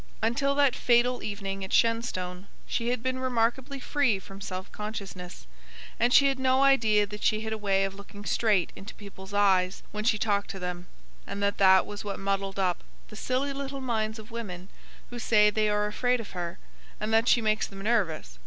Until that fatal evening at Shenstone, she had been remarkably free from self consciousness; and she had no idea that she had a way of looking straight into people's eyes when she talked to them, and that that was what muddled up "the silly little minds of women who say they are afraid of her, and that she makes them nervous!